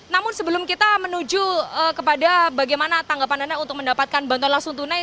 namun sebelum kita menuju kepada bagaimana tanggapan anda untuk mendapatkan bantuan langsung tunai